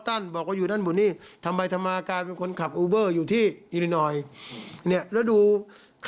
ถ้าถามผมนะผมว่าเป็นเรื่องยาก